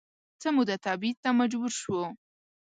څه موده تبعید ته مجبور شو